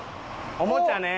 おもちゃね。